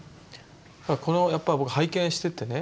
これをやっぱ僕拝見しててね